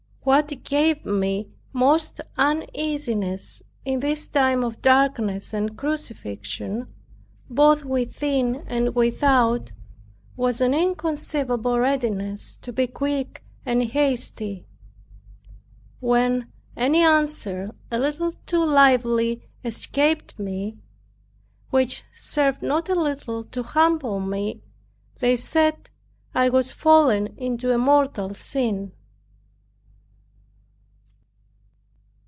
What gave me most uneasiness, in this time of darkness and crucifixion, both within and without, was an inconceivable readiness to be quick and hasty. When any answer a little too lively escaped me, (which served not a little to humble me,) they said "I was fallen into a mortal sin."